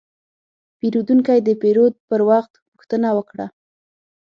پیرودونکی د پیرود پر وخت پوښتنه وکړه.